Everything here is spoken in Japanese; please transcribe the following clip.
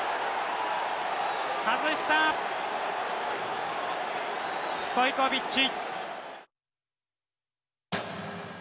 外したストイコビッチ。